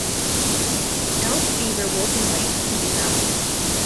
Elk, beaver, wolf, and lynx can be found here.